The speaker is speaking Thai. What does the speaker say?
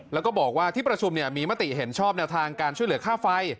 แล้วก็บอกว่าที่ประชุมมีมติเห็นชอบแนวทางการช่วยเหลือค่าไฟ